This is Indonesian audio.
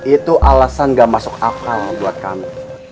itu alasan gak masuk akal buat kami